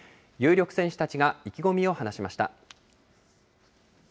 有力選手たちが意気込みを話しました。